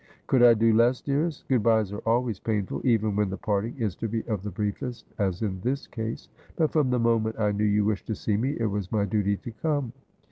' Could I do less, dearest ? Good byes are always painful, even when the parting is to be of the briefest, as in this case : but from the moment I knew you wished to see me it was my duty to come.'